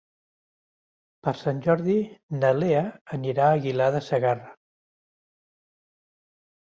Per Sant Jordi na Lea anirà a Aguilar de Segarra.